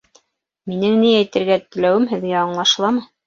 Минең ни әйтергә теләүем һеҙгә аңлашыламы?